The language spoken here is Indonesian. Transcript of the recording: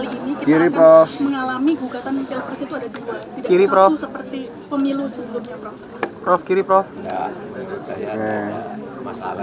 putusan sekretan ini harus diputuskan dalam empat belas hari kerja sementara